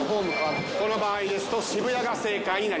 この場合ですと渋谷が正解になります。